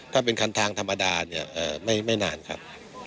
ถ้าเป็นคันทางธรรมดาเนี่ยไม่นานครับ